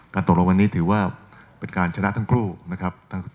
ตกลงวันนี้ถือว่าเป็นการชนะทั้งคู่นะครับ